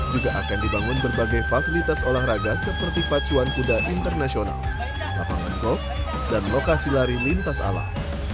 juga akan dibangun berbagai fasilitas olahraga seperti pacuan kuda internasional lapangan golf dan lokasi lari lintas alam